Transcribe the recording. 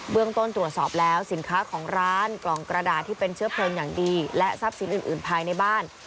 เรื่องต้นตรวจสอบแล้วสินค้าของร้านกล่องกระดาษที่เป็นเชื้อเพลิงอย่างดีและทรัพย์สินอื่นภายในบ้าน